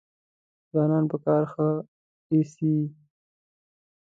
ځوانان په کار ښه ایسي.